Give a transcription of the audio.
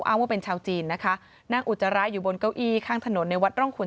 อ้างว่าเป็นชาวจีนนะคะนั่งอุจจาระอยู่บนเก้าอี้ข้างถนนในวัดร่องขุน